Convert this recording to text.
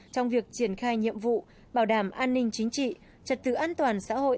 trong việc triển khai nhiệm vụ bảo đảm an ninh chính trị trật tự an toàn xã hội